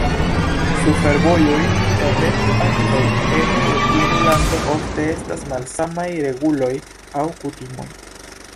Sur fervojoj tamen ankaŭ ene de unu lando ofte estas malsamaj reguloj aŭ kutimoj.